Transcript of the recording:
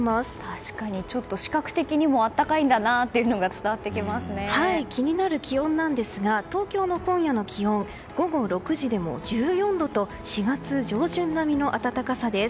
確かにちょっと視覚的にも暖かいんだなというのが気になる気温なんですが東京の今夜の気温午後６時でも１４度と４月上旬並みの暖かさです。